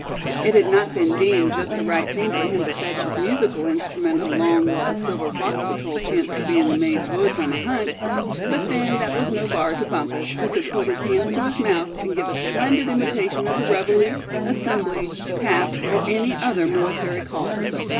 It had not been deemed just the right thing for him to fetch his musical instrument along while the Silver Fox Patrol chanced to be in the Maine woods on a hunt; but then that was no bar to Bumpus, who could put his hands to his mouth, and give a splendid imitation of the reveille, assembly, taps, or any other military call.